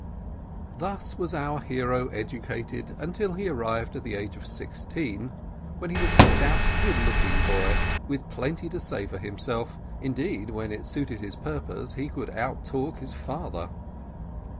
And thus was our hero educated until he arrived at the age of sixteen, when he was a stout, good looking boy, with plenty to say for himself, indeed, when it suited his purpose, he could outtalk his father.